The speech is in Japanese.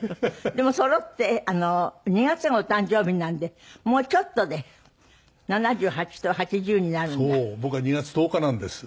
でもそろって２月がお誕生日なんでもうちょっとで７８と８０になるんだ。